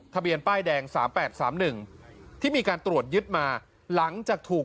ทะเบียนป้ายแดงสามแปดสามหนึ่งที่มีการตรวจยึดมาหลังจากถูก